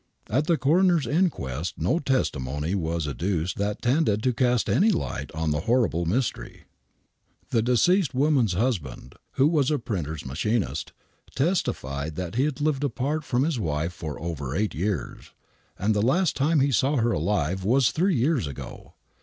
At the coroner's inquest no testimony was adduced that tended to cast any light on the horrible mystery. The deceased woman's husband, who is a printer's machinist, THE WHiTECHAiEL MURDERS 39 » testified that he had lived apart from his wife for over eii^ht years, and the last time he saw her alive was three years ago.